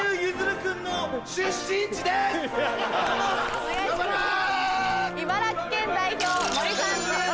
お願いします。